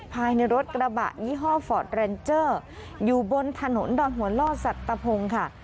ภายในรถกระบะยี่ห้อฟอร์ดเรนเจอร์อยู่บนถนนดอนหัวล่อสัตตะพงค่ะ